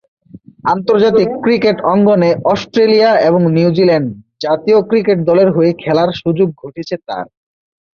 আন্তর্জাতিক ক্রিকেট অঙ্গনে অস্ট্রেলিয়া এবং নিউজিল্যান্ড জাতীয় ক্রিকেট দলের হয়ে খেলার সুযোগ ঘটেছে তার।